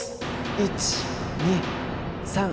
１２３。